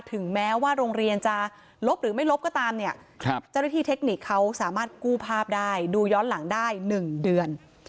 ถึงแม้ว่าโรงเรียนจะลบหรือไม่ลบก็ตามเนี่ยเจ้าหน้าที่เทคนิคเขาสามารถกู้ภาพได้ดูย้อนหลังได้๑เดือน